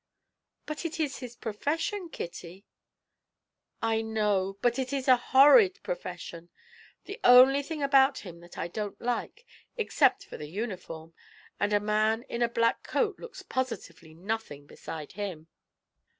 "But it is his profession, Kitty." "I know, but it is a horrid profession, the only thing about him that I don't like, except for the uniform, and a man in a black coat looks positively nothing beside him."